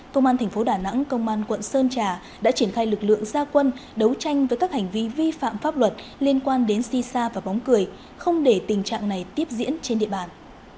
công an thành phố đà nẵng công an quận sơn trà đã triển khai lực lượng gia quân đấu tranh với các hành vi vi phạm pháp luật liên quan đến si sa và bóng cười không để tình trạng này tiếp diễn trên địa bàn